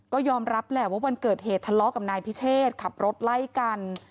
ก็ยอมรับแหละว่าวันเกิดเหตุทะเลาะกับนายพิเชษขับรถไล่กัน